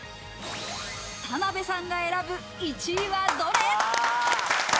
田辺さんが選ぶ１位はどれ？